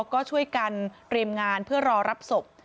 ก็ช่วยกันเตรียมงานเพื่อรอรับศพ